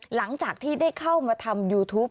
หลังจากที่ได้เข้ามาทำยูทูป